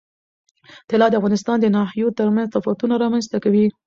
طلا د افغانستان د ناحیو ترمنځ تفاوتونه رامنځ ته کوي.